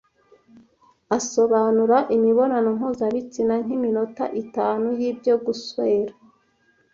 asobanura imibonano mpuzabitsina nk'iminota itanu y'ibyo Guswera